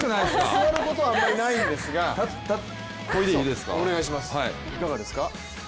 座ることはあまりないんですが、いかがですか？